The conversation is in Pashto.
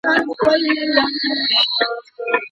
ایا ځايي کروندګر پسته صادروي؟